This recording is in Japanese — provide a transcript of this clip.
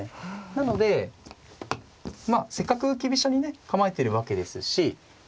なのでまあせっかく浮き飛車にね構えてるわけですしまあ